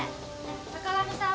坂上さん